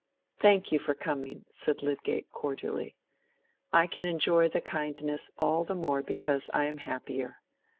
"Thank you for coming," said Lydgate, cordially. "I can enjoy the kindness all the more because I am happier.